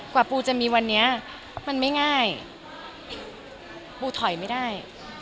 กว่าปูจะมีวันนี้มันไม่ง่ายปูถอยไม่ได้